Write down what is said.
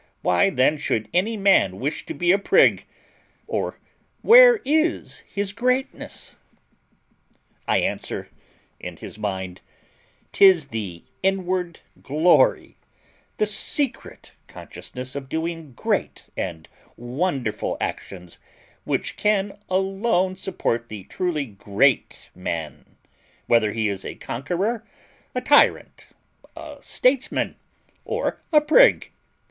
Why then should any man wish to be a prig, or where is his greatness? I answer, in his mind: 'tis the inward glory, the secret consciousness of doing great and wonderful actions, which can alone support the truly GREAT man, whether he be a CONQUEROR, a TYRANT, a STATESMAN, or a PRIG.